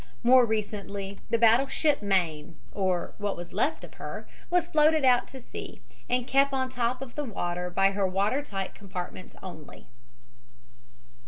More recently the battleship Maine, or what was left of her, was floated out to sea, and kept on top of the water by her water tight compartments only.